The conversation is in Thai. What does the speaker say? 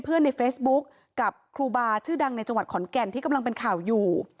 ในเฟซบุ๊คกับครูบาชื่อดังในจังหวัดขอนแก่นที่กำลังเป็นข่าวอยู่